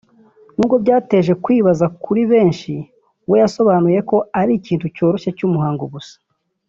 nubwo byateje kwibaza kuri benshi we yasobanuye ko ari ikintu cyoroshye cy’umuhango gusa